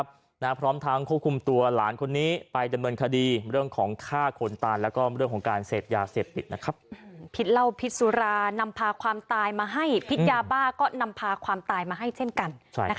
จริงตัวหลานคนนี้ไปดำเนินคดีเรื่องของฆ่าขนตานและก็เรื่องของการเศษยาเศษปิดนะครับพิษเหล้าพิษสุรานำพาตายมาให้พิษยาบ้าก็นำพาตายมาให้เช่นกัน